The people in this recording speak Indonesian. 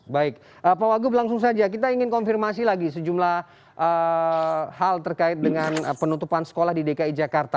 baik pak wagub langsung saja kita ingin konfirmasi lagi sejumlah hal terkait dengan penutupan sekolah di dki jakarta